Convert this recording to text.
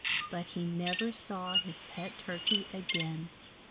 But he never saw his pet Turkey again.